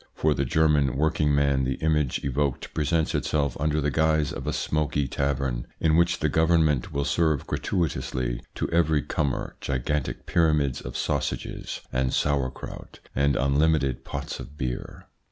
For the German working man the image evoked presents itself under the guise of a smoky tavern in which the Government will serve gratuitously to every comer gigantic pyramids of sausages and sauerkraut and unlimited pots of beer.